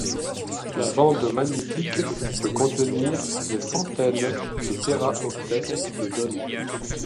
La bande magnétique peut contenir des centaines de téraoctets de données.